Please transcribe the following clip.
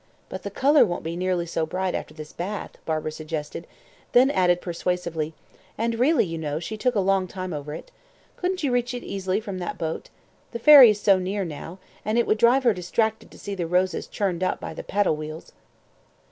"But the colour won't be nearly so bright after this bath," Barbara suggested; then added persuasively, "And really, you know, she took a long time over it. Couldn't you reach it easily from that boat the ferry is so near now, and it would drive her distracted to see the roses churned up by the paddle wheels."